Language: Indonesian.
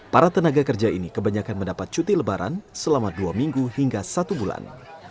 para tenaga kerja ini kebanyakan mendapat cuti lebaran selama dua minggu hingga satu bulan